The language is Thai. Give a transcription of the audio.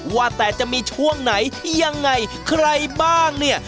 ว่าแต่จะมีช่วงไหนยังไงใครบ้างเนี่ย